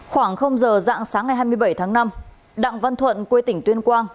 khoảng giờ dạng sáng ngày hai mươi bảy tháng năm đặng văn thuận quê tỉnh tuyên quang